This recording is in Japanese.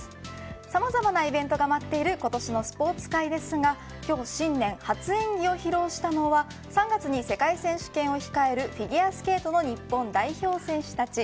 さまざまなイベントが待っている今年のスポーツ界ですが今日、新年初演技を披露したのは３月に世界選手権を控えるフィギュアスケートの日本代表選手たち。